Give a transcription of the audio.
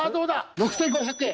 ６５００円。